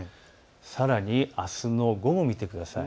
さらにあすの午後を見てください。